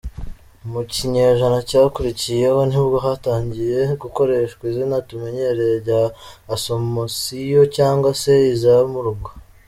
Mu kinyejana cyakurikiyeho, nibwo hatangiye gukoreshwa izina tumenyereye rya Asomusiyo cyangwa se izamurwa.